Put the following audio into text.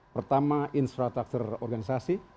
pertama infrastructure organisasi